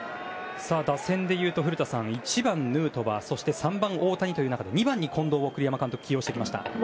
打線でいうと、古田さん１番ヌートバーそして３番、大谷という中で２番に近藤を栗山監督、起用してきました。